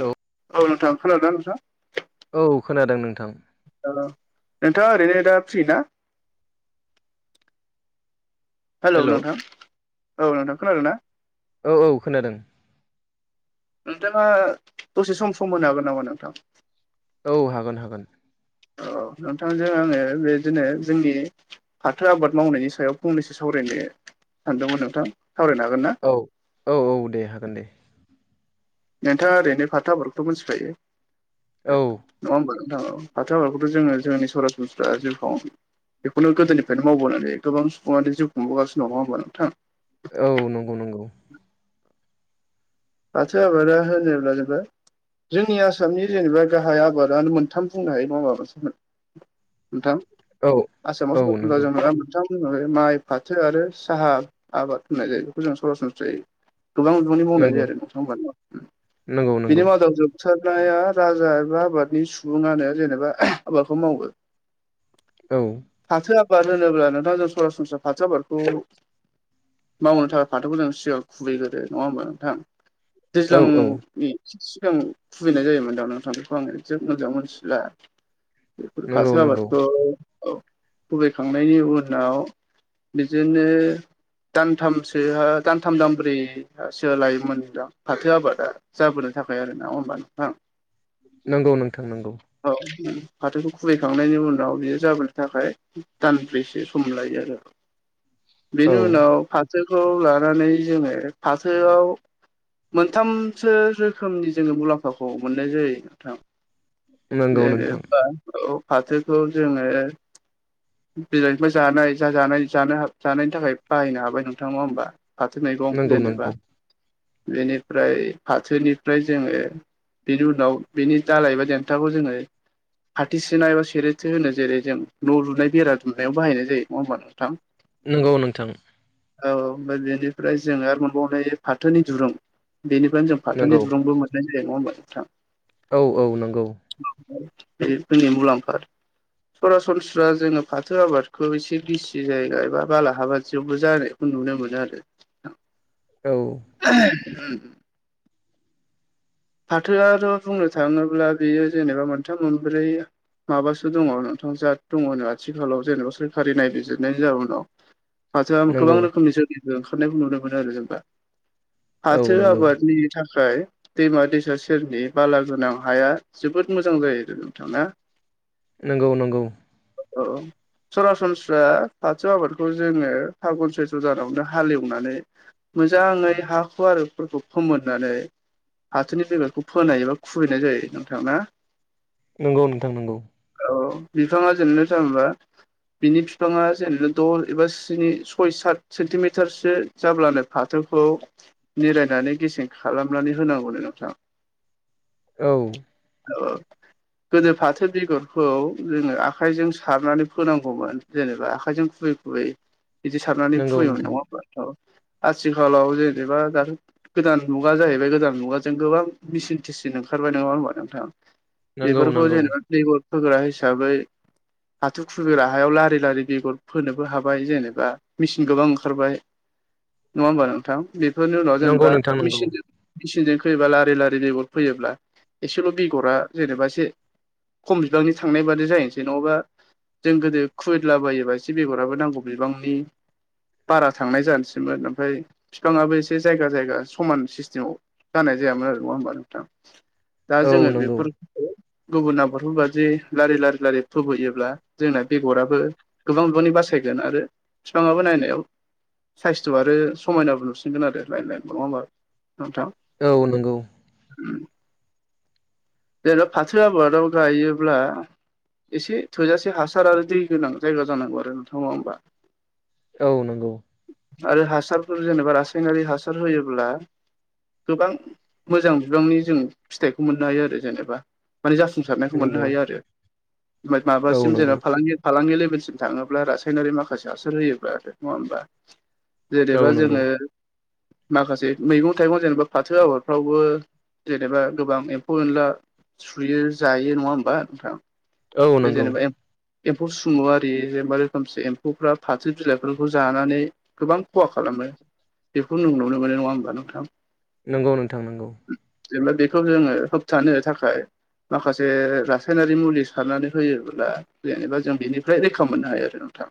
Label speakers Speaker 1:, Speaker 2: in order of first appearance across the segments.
Speaker 1: औ
Speaker 2: औ नोंथां खोनादोंना नोंथाङा
Speaker 1: औ खोनादों नोंथां।
Speaker 2: औ नोंथाङा ओरैनो दा फ्रि ना? हेलौ
Speaker 1: औ
Speaker 2: नोंथां औ नोंथां खोनादों ना?
Speaker 1: औ औ खोनादों।
Speaker 2: नोंथाङा दसे सम सम मोननो हागोन नामा नोंथां?
Speaker 1: औ हागोन हागोन।
Speaker 2: औ नोंथांजों आङो बेदिनो जोंनि फाथो आबाद मावनायनि सायाव फंनैसो सावरायनो सानदोंमोन नोंथां सावरायनो हागोन ना?
Speaker 1: औ औ औ दे हागोन दे।
Speaker 2: नोंथाङा ओरैनो फाथो आबादखौथ' मिथिखायो।
Speaker 1: औ
Speaker 2: नङा होमबा नोंथां औ फाथो आबादखौथ' जोङो जोंनि सरासनस्रा जिउखौ बेखौनो गोदोनिफ्रायनो मावबोनानै गोबां सुबुङानो जिउ खुंबोगासिनो दङ नङा होनबा नोंथां?
Speaker 1: औ नंगौ नंगौ
Speaker 2: फाथो आबादा होनोबा जोबोर जोंनि आसामनि जेनेबा गाहाय आबादानो मोनथाम बुंनो हायो नडा होनबा नोंथां? मोनथाम
Speaker 1: औ औ
Speaker 2: आसामाव [unintelligible]
Speaker 1: नंगौ
Speaker 2: जों नङा मोनथाम माइ फाथो आरो साहा आबाद होननाय जायो बेखौ जों सरासनस्रायै गोबां बिबांनि मावनाय जायो आरो नोंथां
Speaker 1: नंगौ नंगौ
Speaker 2: बिनि मादाव जों सोरबाया राजा एबा आबादनि सुबुङानो जेनेबा आबादखौ मावो।
Speaker 1: औ
Speaker 2: फाथो आबाद होनोब्ला नोंथांजों सरासनस्रा फाथो आबादखौ मावनो थाखाय फाथोखौ जों सिगां खुबैग्रो नङा होमबा नोंथां
Speaker 1: औ औ
Speaker 2: दैज्लांनि सिगां फोहैनाय जायोमोन दा नोंथां बेखौ आं एसे मोजां मोनथिला। बेफोर
Speaker 1: नंगौ
Speaker 2: फाथो
Speaker 1: नंगौ
Speaker 2: आबादखौ खोबैखांनायनि उनाव बिदिनो दानथामसो दानथाम दानब्रैसो लायोमोन नोंथां। फाथो आबादा जाबोनो थाखाय आरो नङा होमबा नोंथां?
Speaker 1: नंगौ नोंथां नंगौ।
Speaker 2: औ फाथोखौ खुबैखांनायनि उनाव बेयो जाबोनो थाखाय दानब्रैसो सम लायो आरो।
Speaker 1: औ
Speaker 2: बेनि उनाव फाथोखौ लानानै जोङो फाथोआव मोनथामसो रोखोमनि जोङो मुलाम्फाखौ मोननाय जायो नोंथां।
Speaker 1: नंगौ नोंथां
Speaker 2: जेनेबा औ फाथोखौ जोङो बिलाइफोर जानाय जा जानो जानायनि थाखाय बाहायनो हाबाय नोंथांङा होमबा? फाथो मैगं
Speaker 1: नंगौ नंगौ
Speaker 2: जेनेबा बेनिफ्राय फाथोनिफ्राय जोङो बिनि उनाव बिनि दालाइ एबा देन्थाखौ जोङो फाथो सेना एबा सेरेथो होनो जेरै जों न' लुनाय बेरा दुनायाव बाहायनाय जायो नङा होनबा नोंथां?
Speaker 1: नंगौ नोंथां
Speaker 2: औ ओमफ्राय बेनिफ्राय जों आरो मोनबावनाय फाथोनि दुरुं बेनिफ्रायनो जों
Speaker 1: नंगौ
Speaker 2: फाथोनि दुरुंबो मोननाय जायो नङा होनबा नोंथां?
Speaker 1: औ औ नंगौ
Speaker 2: बे जोंनि मुलाम्फा सरासनस्रा जोङो फाथो आबादखौ एसे गिसि जायगा एबा बालाबायदिवबो जानो नुनो मोनो आरो नोंथां।
Speaker 1: औ
Speaker 2: उम फाथोआ थ' बुंनो थाङोब्ला बेयो जेनेबा मोनथाम मोनब्रै माबासो दङ नोंथां जा दङनो आथिखालाव जेनेबा सोरखारि नायबिजिरनायनि जाउनाव फाथोआ गोबां
Speaker 1: नंगौ
Speaker 2: रोखोमनि जोलै ओंखारनायखौ नुनो मोनो आरो जोंबा
Speaker 1: औ
Speaker 2: फाथो
Speaker 1: नंगौ
Speaker 2: आबादनि थाखाय दैमा दैसा सेरनि बालागोनां हाया जोबोद मोजां जायो नोंथां ना
Speaker 1: नंगौ नंगौ
Speaker 2: [inaudible] सरासनस्रा फाथौ आबादखौ जोङो फागुन सैथ्र' दानावनो हाले एवनानै मोजाङै हा खुआरुफोरखौ फोमोननानै हाथोनि बेगरखौ फोनाय एबा खुबैनाय जायो नोंथां ना
Speaker 1: नंगौ नोंथां नंगौ
Speaker 2: औ बिफाङा जेननो थांबा बिनि बिफाङा जेनेबा दस एबा स्नि सय सात सेन्टिमिटारसो जाब्लानो फाथोखौ निरायनानै गेसें खालाम नानै होनांगौनो नोंथां
Speaker 1: औ
Speaker 2: औ गोदो फाथो बेगरखौ जोङो आखाइजों सारनानै फोनांगौमोन जेनेबा आखाइजों खुबै खुबै बिदि सारनानै
Speaker 1: नंगौ
Speaker 2: खुबैयोमोन
Speaker 1: नोंथां
Speaker 2: नङा औ आथिखालाव जेनेबा दाथ' गोदान मुगा जाहैबाय बे गोदान मुगाजों गोबां मेसिन थेसिन ओंखारबाय नङा होनोमबा नोंथां
Speaker 1: नंगौ नंगौ
Speaker 2: बेफोरखौ जेनेबा बेगर फोग्रा हिसाबै फाथो खुग्रा हायाव लारि लारि बेगर फोनोबो हाबाय जेनेबा मेचिन गोबां ओंखारबाय नङा होमबा नोंथां बेफोरनि उनाव
Speaker 1: नंगौ
Speaker 2: जेनेबा
Speaker 1: नोंथां नंगौ
Speaker 2: मेचिनजों मेसिनजों फैयोबा लारि लारि बेगर फैयोब्ला एसेल' बेगरा जेनेबा एसे खम बिबांनि थांनाय बादि जाहैसै नङाबा जों गोदो खुबैदलाबायोबा एसे बेगराबो नांगौ बिबांनि बारा थांनाय जानोसैमोन ओमफ्राय बिफाङाबो एसे जायगा जायगा समान सिस्टेमाव जानाय जायामोन आरो नङा होमबा नोंथां दा
Speaker 1: औ
Speaker 2: जोङो
Speaker 1: नंगौ
Speaker 2: बेफोर खौ गुबुन आबादफोर बायदि लारि लारि लारि खुबैयोब्ला जोंना बेगराबो गोबां बिबांनि बासायगोन आरो बिफाङाबो नायनायाव साइसथ' आरो समायनाबो नुसिनगोन आरो लाइन लाइन नङा होमबा नोंथां
Speaker 1: औ नंगौ
Speaker 2: उम जेनेबा फाथो आबाद गायोब्ला एसे थोजासे हासार आरो दै गोनां जायगा जानांगौ आरो नोंथा नङा होमबा
Speaker 1: औ नंगौ
Speaker 2: आरो हासारफोर जेनेबा रासायनारि हासार होयोब्ला गोबां मोजां बिबांनि जों फिथाइखौ मोननो हायो आरो जेनेबा माने जाफुंसारनायखौ मोननो
Speaker 1: नंगौ
Speaker 2: हायो आरो
Speaker 1: औ
Speaker 2: माबासिम
Speaker 1: नंगौ
Speaker 2: जेनेबा फालांगि फालांगि लेभेलसिम थाङोब्ला रासायनारि माखासे हासार होयोब्ला नङा होमबा जेनेबा
Speaker 1: औ नंगौ
Speaker 2: जोङो माखासे मैगं थाइगं जेनेबा फाथो आबादफ्रावबो जेनेबा गोबां एम्फौ एनला सुयो जायो नङा होमबा नोंथां
Speaker 1: औ
Speaker 2: बे
Speaker 1: नंगौ
Speaker 2: जेनेबा एम्फौ सुमु आरि जेनेबा रोखोमसे एम्फौफ्रा फाथो बिलाइफोरखौ जानानै गोबां खहा खालामो बेखौ जों नुनो मोनो नङा होमबा नोंथां
Speaker 1: नंगौ नोंथां नंगौ
Speaker 2: एबा बेखौ जोङो होबथानो थाखाय थाखाय माखासे रासायनारि मुलि सारनानै होयोब्ला जेनेबा जों बेनिफ्राय रैखा मोननो हायो आरो नोंथां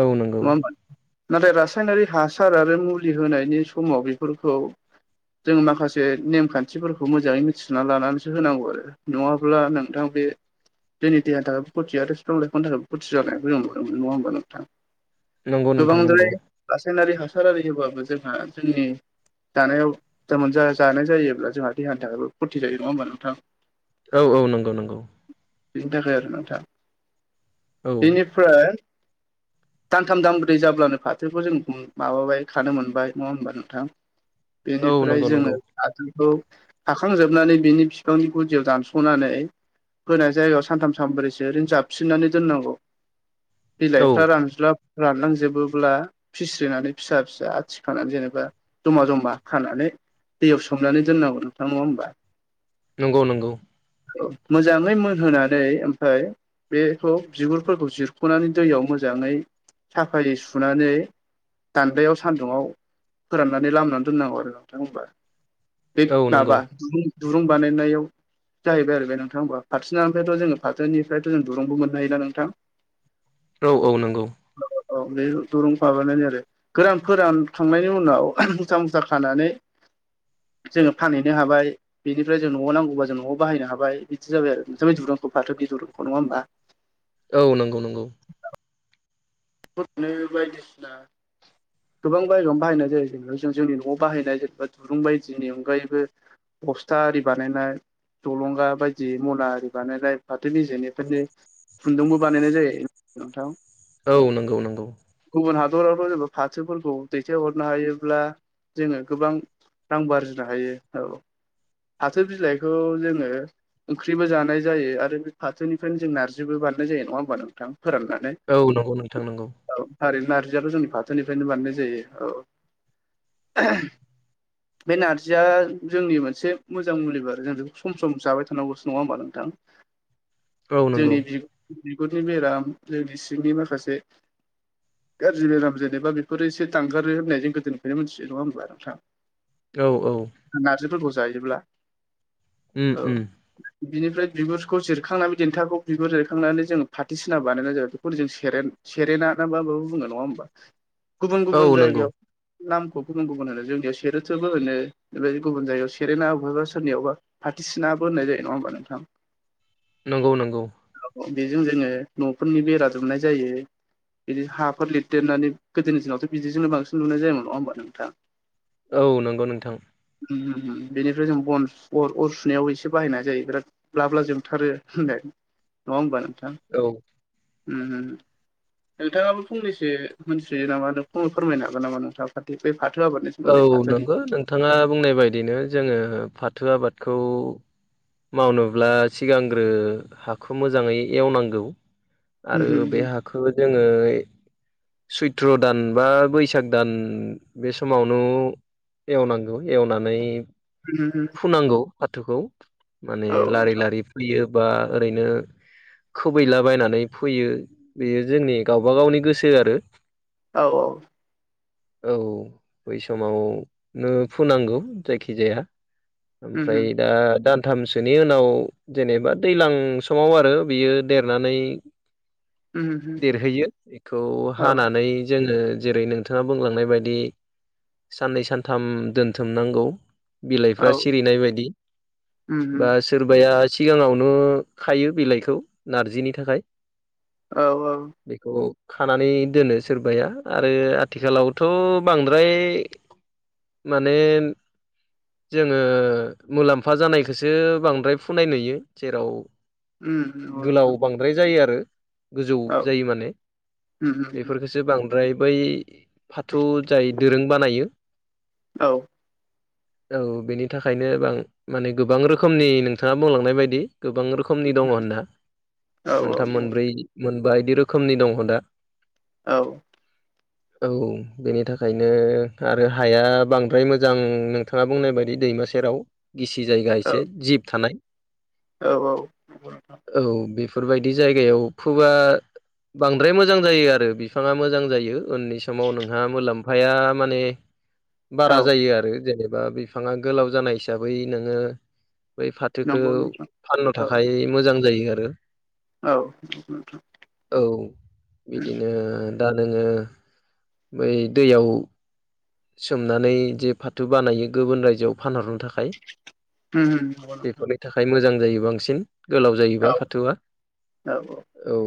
Speaker 1: औ नंगौ
Speaker 2: होमबा नाथाय रासायनारि हासार आरो मुलि होनायनि समाव बेफोरखौ जों माखासे नेमखान्थिफोरखौ मोजाङै मिथि ना लानानैसो होनांगौ आरो नङाब्ला नोंथां बे जोंनि देहानि थाखायबो खथिया आरो बिफां लाइफांनि थाखायबो खथि जानाय जों नुनो मोनो आरो नङा होमबा नोंथां
Speaker 1: नंगौ नोंथां नंगौ
Speaker 2: गोबांद्राय रासायनारि हासार आरि होबाबो जोंहा जोंनि जानायाव जानाय जायोब्ला जोंहा देहानि थाखायो खथि जायो नङा होमबा नोंथां
Speaker 1: औ-औ नंगौ नंगौ
Speaker 2: बेनि थाखाय आरो नोंथां
Speaker 1: औ
Speaker 2: बेनिफ्राय दानथाम दानब्रै जाब्लानो फाथोखौ जों माबाबाय खानो मोनबाय नङा होमबा नोंथां
Speaker 1: औ नंगौ
Speaker 2: बेनिफ्राय
Speaker 1: नंगौ
Speaker 2: जोङो फाथोखौ खाखांजोबनानै बिनि बिफांनि गुदियाव दानस'नानै गोरान जायगायाव सानथाम सानब्रैसो ओरैनो जाबफिननानै दोननांगौ
Speaker 1: औ
Speaker 2: बिलाइफ्रा रानज्लाब रानलांजोबोब्ला फिस्रिनानै फिसा फिसा आथिखानानै जेनेबा जमा जमा खानानै दैयाव सोमनानै दोननांगौ नोंथां नङा होमबा
Speaker 1: नंगौ नंगौ
Speaker 2: औ मोजाङै मोनहोनानै ओमफफ्राय बेखौ बिगुरफोरखौ जिरख'नानै दैयाव मोजाङै साफायै सुनानै दान्दायाव सान्दुंआव फोराननानै लामनानै दोननांगौ आरो नोंथां होनबा।
Speaker 1: औ नंगौ
Speaker 2: माबा दुं दुरुं बानायनायाव जाहैबाय आरो बे नोंथां होमबा फारथिनिफ्रायथ' जोङो फाथोनिफ्रायथ' जों दुरुंबो मोननो हायोना नोंथां। [inaudible]
Speaker 1: औ-औ नंगौ
Speaker 2: औ औ बे दुरुं फाबानै आरो गोरान फोरान खांनायनि उनाव मुथा मुथा खानानै जोङो फानहैनो हाबाय बेनिफ्राय जों न'आव नांगौब जों न'आव बाहायनो हाबाय बिदि जाबाय आरो नोंथांनि दुरुंखौ फाथोनि दिरुंखौ नङा होमबा
Speaker 1: औ नंगौ नंगौ
Speaker 2: [inaudible] बायदिसिना गोबां जायगायावनो बाहायनाय जायो जेनेबा जों जोंनि न'आव बाहायनाय जेनेबा दुरुं बायदिनि अनगायैबो बस्था आरि बानायनाय जलंगा बायदि मना आरि बानायलाय फाथो बेजे जेनायफोरनि खुन्दुंबो बानायनाय जायो नोंथां
Speaker 1: औ नंगौ नंगौ
Speaker 2: गुबुन हादरावथ' जेनेबा फाथोफोरखौ दैथायहरनो हायोब्ला जोङो गोबां रां आरजिनो हायो औ फाथो बिलाइखौ जोङो ओंख्रिबो जानाय जायो आरो बे फाथोनिफ्रायनो जों नारजिबो बानायनाय जायो नङा होमबा नोंथां फोराननानै
Speaker 1: औ नंगौ नोंथां नंगौ।
Speaker 2: औ थारैनो नारजियाथ' जोंनि फाथोनिफ्रायनो बानायनाय जायो औ बे नारजिया जोंनि मोनसे मोजां मुलिबो आरो जों बे सम सम जाबाय थानांगौसो नङा होमबा नोंथां।
Speaker 1: औ नंगौ
Speaker 2: जोंनि बिगुरनि बेराम जोंनि सिंनि माखासे गाज्रि बेराम जों जेनेबा बेफोर एसे दांगारो होननायजों गोदोनिफ्रायनो मिथियो नङा होमब्ला नोंथां
Speaker 1: औ-औ
Speaker 2: नारजिफोरखौ जायोब्ला
Speaker 1: उम
Speaker 2: औ
Speaker 1: उम
Speaker 2: बिनिफ्राय बिगुरखौ जिरखांनानै देन्थाखौ बिगुर जिरखांनानै जों फाथसिना बानायनाय जाबाय बेखौनो जों सेरेन सेरेना ना मा माबो बुङो नङा होमबा गुबुन
Speaker 1: औ
Speaker 2: गुबुन
Speaker 1: नंगौ
Speaker 2: जायगायाव नामखौ गुबुन गुबुन होनो जोंनियाव सेरोथोबो होनो बेबायदि गुबुन जायगायाव सेरेना बबहायबा सोरनियावबा फथिसिनाबो होननाय जायो नङा होमबा नोंथां।
Speaker 1: नंगौ नंगौ।
Speaker 2: बेजों जोङो न'फोरनि बेरा जोबनाय जायो बिदि हाफोर लिरदेरनानै गोदो दिनावथ' बिदिजोंनो बांसिन मोननाय जामोन नङा होमबा नोंथां।
Speaker 1: औ नंगौ नोंथां।
Speaker 2: उम-उम-उम बेनिफ्राय जों बन अर सुनायाव एसे बाहायनाय जायो बिराद। ब्ला ब्ला जोबथारो होनदो नङा होमबा नोंथां।
Speaker 1: उम
Speaker 2: उम-उम नोंथाङाबो फंनैसो मोन सुयो नामा नों फोरमायनो हागोन नामा नोंथां खाथि बै फाथो आबादनि
Speaker 1: औ
Speaker 2: सोमोन्दै फाथोनि
Speaker 1: नंगौ नोंथाङा बुंनाय बायदिनो जोङो फाथो आबादखौ मावनोब्ला सिगांग्रो हाखौ मोजाङै एवनांगौ
Speaker 2: उम
Speaker 1: आरो बे हा खौ जोंङो सैत्र' दान बा बैसाग दान बे समावनो एवनांगौ एवनानै
Speaker 2: उम-उम-उम
Speaker 1: नांगौ फाथोखौ माने लारि
Speaker 2: नोंथां
Speaker 1: लारि फोयोबा ओरैनो खोबैलाबायनानै फैयो बेयो जोंनि गावबा गावनि गोसो आरो।
Speaker 2: औ-औ
Speaker 1: औ बै समावनो फुनांगौ जायखिजाया
Speaker 2: उम
Speaker 1: ओमफ्राय दा दान थामसोनि उनाव जेनेबा दैज्लां समाव आरो बियो देरनानै
Speaker 2: उम उम
Speaker 1: देरहैयो बेखौ
Speaker 2: औ
Speaker 1: हानानै जोङो जेरै नों थाङा बुंलांनाय बायदि साननै सानथाम दोनथुमनांगौ
Speaker 2: औ
Speaker 1: बिलाइफ्रा सिरिनाय बायदि
Speaker 2: उम उम
Speaker 1: बा सोरबाया सिगाङावनो खायो बिलाइखौ नारजिनि थाखाय
Speaker 2: औ-औ
Speaker 1: बेखौ खानानै दोनो सोरबाया आरो आथिखालावथ' बांद्राय माने जोङो मुलाम्फा जानायखौसो बांद्राय फुनाय नुयो जेराव
Speaker 2: उम नंगौ नोंथां
Speaker 1: गोलाव
Speaker 2: औ
Speaker 1: बांद्राय जायो आरो गोजौ जायो माने
Speaker 2: उम
Speaker 1: बेफोरखौसो सो बांद्राय बै फाथौ जाय दोरों बानायो
Speaker 2: औ
Speaker 1: औ बेनि थाखायनो बां माने गोबां रोखोमनि नोंथाङा बुंलांनाय बायदि गोबां रो रोखोमनि दङ होनना
Speaker 2: औ
Speaker 1: मोनथाम मोनब्रै मोनबा बिदि रोखोमनि दङ दा
Speaker 2: औ
Speaker 1: औ बेनि था खायनो आरो हाया बांद्राय मोजां नोंथाङा बुंनाय बायदि दैमा सेराव गिसि जायगा एसे जिब थानाय
Speaker 2: औ-औ नंगौ नोंथां
Speaker 1: औ बेफोरबायदि जायगायाव फोबा बांद्राय मोजां जायो आरो बिफाङा मोजां जायो उननि समाव नोंहा मुलाम्फाया माने
Speaker 2: औ औ
Speaker 1: बारा जायो आरो जेनेबा बे बिफाङा गोलाव जानाय हिसाबै नोङो बै फाथोखौ
Speaker 2: नंगौ नोंथां
Speaker 1: फाननो
Speaker 2: औ
Speaker 1: थाखाय मोजां जायो
Speaker 2: औ
Speaker 1: औ बिदिनो दा नोङो बै दैयाव सोमनानै जे फाथो बानायो गुबुन रायजोआव फानहरनो थाखाय
Speaker 2: उम नंगौ नोंथां
Speaker 1: बेफोरनि थाखाय मोजां जायो बांसिन गोलाव
Speaker 2: औ
Speaker 1: जायोबा फाथोआ
Speaker 2: औ
Speaker 1: औ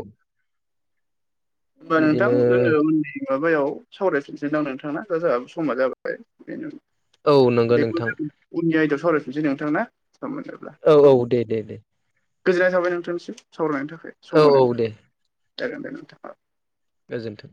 Speaker 2: होमबा नोंथां
Speaker 1: बिदिनो
Speaker 2: होन मोन माबायाव सावरायफिनसैदां नोंथाङा दा जोंहाबो समा जाबाय बेनो
Speaker 1: औ नंगौ
Speaker 2: बेखौ
Speaker 1: नोंथां
Speaker 2: जों उननि आयदायाव सावरायफिननोसै नोंथां ना सम मोनोब्ला औ
Speaker 1: दे दे दे
Speaker 2: गोजोननाय थाबाय नोंथांनिसिम सावरायनायनि थाखाय सम
Speaker 1: औ औ
Speaker 2: होनायनायनि
Speaker 1: दे
Speaker 2: थाखाय दागोन दे नोंथाङा
Speaker 1: गोजोन्थों